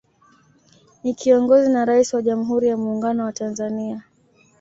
Ni kiongozi na Rais wa Jamhuri ya Muungano wa Tanzania